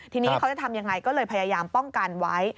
ทีนี้เขาจะทำยังไงก็เลยพยายามป้องกันไว้